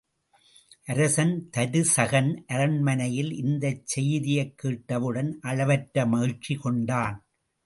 அரசன் தருசகன் அரண்மனையில், இந்தச் செய்தியைக் கேட்டவுடன் அளவற்ற மகிழ்ச்சி கொண்டான்.